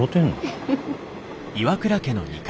フフフフ。